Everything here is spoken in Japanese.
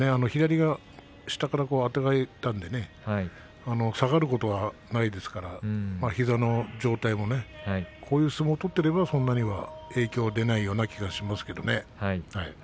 左は下から、あてがったんでね下がることはないですから膝の状態もこういう相撲を取っていればそんなに影響は出ないような気がしますけどね。